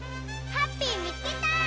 ハッピーみつけた！